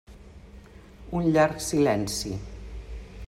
Un llarg silenci.